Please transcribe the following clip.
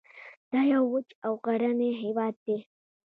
دا یو وچ او غرنی هیواد دی